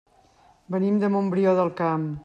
Venim de Montbrió del Camp.